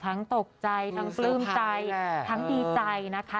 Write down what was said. ตกใจทั้งปลื้มใจทั้งดีใจนะคะ